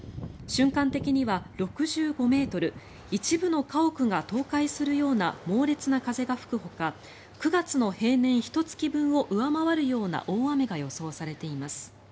瞬間的には６５ｍ一部の家屋が倒壊するような猛烈な風が吹くほか９月の平年ひと月分を上回るような大雨が予想されています。